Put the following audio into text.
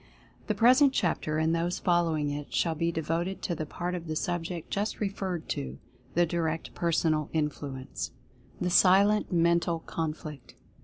The present chapter, and those following it, shall be devoted to the part of the subject just referred to — the Direct Personal Influ ence. THE SILENT MENTAL CONFLICT.